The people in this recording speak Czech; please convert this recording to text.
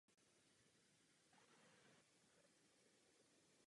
Obraz je v majetku města Paříže a je součástí sbírek muzea Petit Palais.